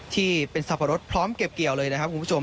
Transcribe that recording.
ที่เป็นสับปะรดพร้อมเก็บเกี่ยวเลยนะครับคุณผู้ชม